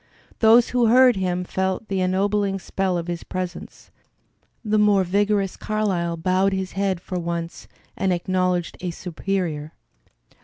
Those who heard him felt the ennobling spell of his presence; the more vigorous Carlyle bowed his head for once and acknowledged a superior.